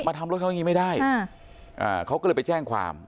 ทำรถเขาอย่างนี้ไม่ได้เขาก็เลยไปแจ้งความ